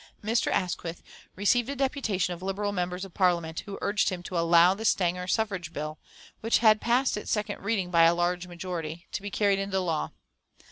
Mr. Asquith received a deputation of Liberal members of Parliament, who urged him to allow the Stanger suffrage bill, which had passed its second reading by a large majority, to be carried into law.